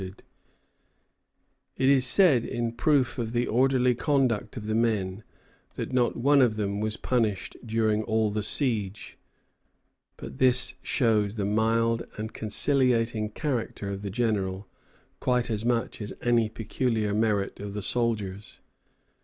_] It is said, in proof of the orderly conduct of the men, that not one of them was punished during all the siege; but this shows the mild and conciliating character of the General quite as much as any peculiar merit of the soldiers.